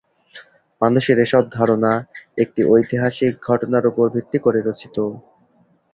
মানুষের এসব ধারণা একটি ঐতিহাসিক ঘটনার উপর ভিত্তি করে রচিত।